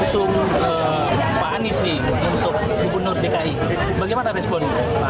untuk pak anies nih untuk gubernur dki bagaimana respon